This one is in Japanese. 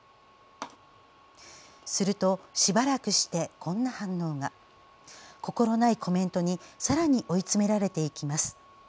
すると、しばらくしてこんな反応が。心ないコメントにさらに追い詰められていきます。